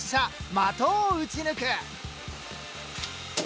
的を撃ち抜く！